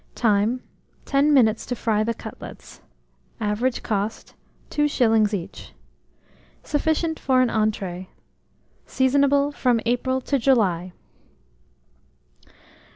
Time. 10 minutes to fry the cutlets. Average cost, 2s. each. Sufficient for an entrée. Seasonable from April to July.